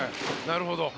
なるほど。